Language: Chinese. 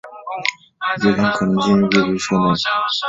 月尘可能进入月球车内部并对其设备造成破坏引发故障。